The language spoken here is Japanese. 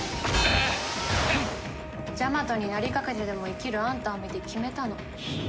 ジャマトになりかけてでも生きるあんたを見て決めたの。